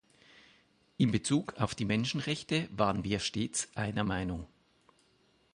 In Bezug auf die Menschenrechte waren wir stets einer Meinung.